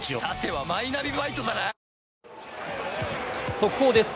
速報です。